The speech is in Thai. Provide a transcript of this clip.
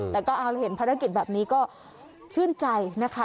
แต่ก็เอาเห็นภารกิจแบบนี้ก็ชื่นใจนะคะ